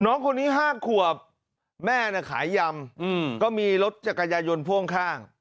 น้องคนนี้๕ขวบแม่ขายยำก็มีรถจักรยายนพ่วงข้าง